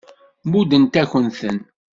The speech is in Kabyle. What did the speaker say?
Muddent-akent-ten.